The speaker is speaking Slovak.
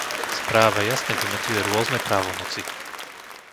Správa jasne vymedzuje rôzne právomoci.